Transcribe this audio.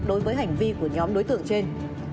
đối với hành vi của nhóm đối tượng trên